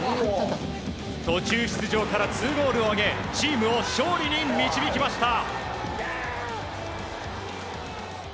途中出場から２ゴールを挙げチームを勝利に導きました。